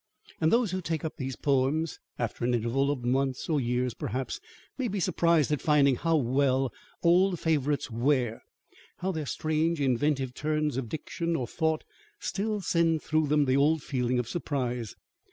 And those who take up these poems after an interval of months, or years perhaps, may be surprised at finding how well old favourites wear, how their strange, inventive turns of diction or thought still send through them the old feeling of surprise.